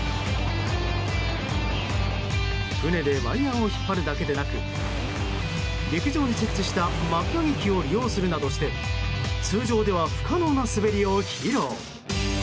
船でワイヤを引っ張るだけでなく陸上に設置した巻きあげ機を利用するなどして通常では不可能な滑りを披露。